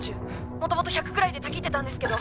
元々１００くらいでタキってたんですけど」「」